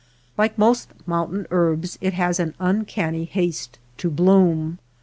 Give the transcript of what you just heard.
Like most mountain herbs it has an uncanny haste to bloom.